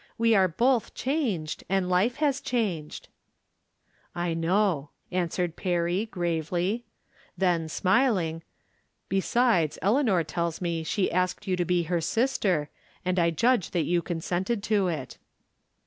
We are both changed, and life ha.^ changed." " I know," answered Perry, gravely. Then, smiling :" Besides, Eleanor tells me she asked you to be her sister, and I judge that you con sented to it."